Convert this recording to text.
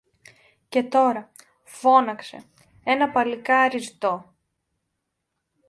Και τώρα, φώναξε, ένα παλικάρι ζητώ